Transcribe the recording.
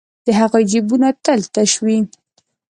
د هغوی جېبونه تل تش وي